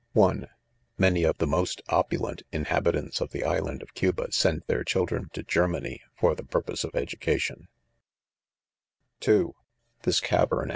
{ 1) Many of the most opulent inhabitants of the island of Cuba, send their children to Germany, for the purpo ses of education, (2) This cavern.